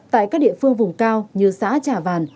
tại các địa phương vùng cao như xã trà vàn